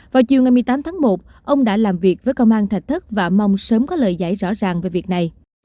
vào chiều ngày một mươi tám tháng một ông đã làm việc với công an thạch thất và mong sớm có lời giải rõ ràng về việc này